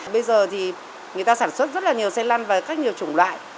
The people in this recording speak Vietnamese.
bây giờ thì người ta sản xuất rất là nhiều xe lăn và rất nhiều chủng loại